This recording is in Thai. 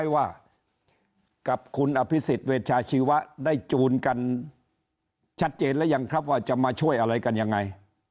ว่ากับคุณอภิษฎเวชาชีวะได้จูนกันชัดเจนหรือยังครับว่าจะมาช่วยอะไรกันยังไง